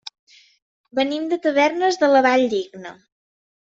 Venim de Tavernes de la Valldigna.